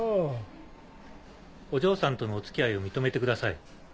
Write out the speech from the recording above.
お嬢さんとのお付き合いを認めてください。